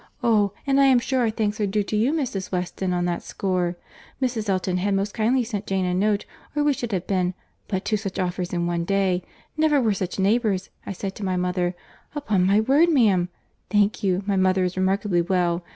—Oh! and I am sure our thanks are due to you, Mrs. Weston, on that score. Mrs. Elton had most kindly sent Jane a note, or we should have been.—But two such offers in one day!—Never were such neighbours. I said to my mother, 'Upon my word, ma'am—.' Thank you, my mother is remarkably well.